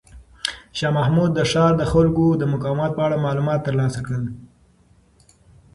شاه محمود د ښار د خلکو د مقاومت په اړه معلومات ترلاسه کړل.